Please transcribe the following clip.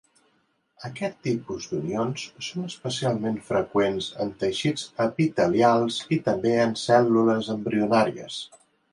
Aquest tipus d'unions són especialment freqüents en teixits epitelials i també en les cèl·lules embrionàries.